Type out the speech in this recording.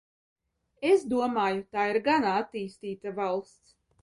Es domāju, tā ir gan attīstīta valsts.